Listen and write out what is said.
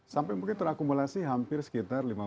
sampai mungkin terakumulasi hampir sekitar lima puluh tiga